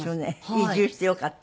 移住してよかった？